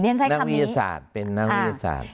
นักวิทยาศาสตร์เป็นนักวิทยาศาสตร์